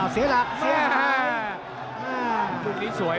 เสียหลักเสียหาย